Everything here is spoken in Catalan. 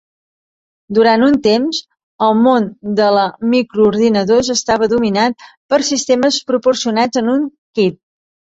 Durant un temps, el món de la microordinadors estava dominat per sistemes proporcionats en un kit.